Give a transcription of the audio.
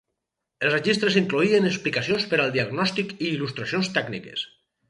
Els registres incloïen explicacions per al diagnòstic i il·lustracions tècniques.